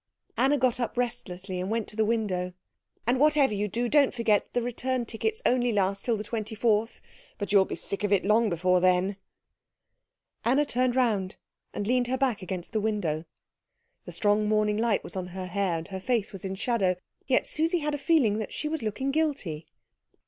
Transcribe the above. Anna got up restlessly and went to the window. "And whatever you do, don't forget that the return tickets only last till the 24th. But you'll be sick of it long before then." Anna turned round and leaned her back against the window. The strong morning light was on her hair, and her face was in shadow, yet Susie had a feeling that she was looking guilty.